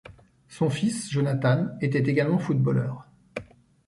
Son fils, Jonathan, était également footballeur.